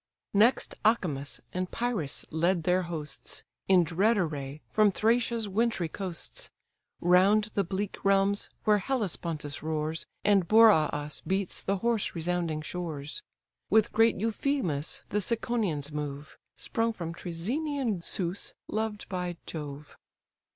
Next Acamas and Pyrous lead their hosts, In dread array, from Thracia's wintry coasts; Round the bleak realms where Hellespontus roars, And Boreas beats the hoarse resounding shores. With great Euphemus the Ciconians move, Sprung from Trœzenian Ceüs, loved by Jove.